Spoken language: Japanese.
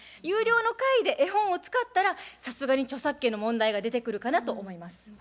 有料の会で絵本を使ったらさすがに著作権の問題が出てくるかなと思います。